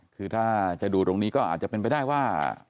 คือถ้าจะดูตรงนี้ก็อาจจะเป็นไปได้ว่า